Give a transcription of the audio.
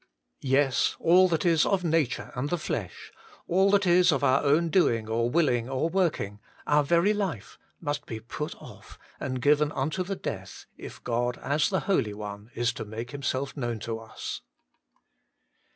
Yes, all that is of nature and the flesh, all that is of our own doing or willing or working our very life, must be put off and given unto the death, if God, as the Holy One, is to make Himself known to us.